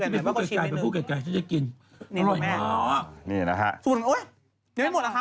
แบบก็ชิมให้หนึ่งนี่คุณแม่อ๋อนี่แหละฮะสูตรโอ๊ยเนียนไม่หมดหรอคะ